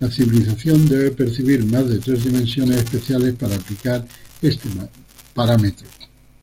La civilización debe percibir más de tres dimensiones espaciales para aplicar este parámetro.